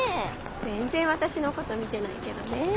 全然私のこと見てないけどね。